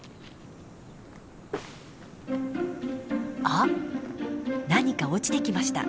あっ何か落ちてきました。